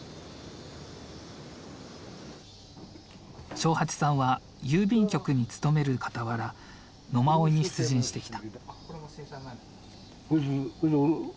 長八さんは郵便局に勤めるかたわら野馬追に出陣してきた。